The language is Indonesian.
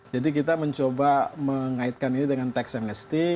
jadi kita mencoba mengaitkan ini dengan tax amnesty